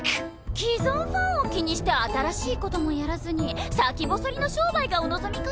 既存ファンを気にして新しい事もやらずに先細りの商売がお望みかしら？